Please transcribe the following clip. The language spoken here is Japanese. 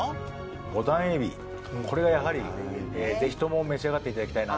ぼたん海老これがやはりぜひとも召し上がっていただきたいなと。